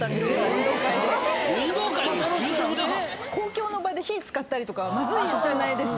運動会の昼食で⁉公共の場で火使ったりとかまずいじゃないですか。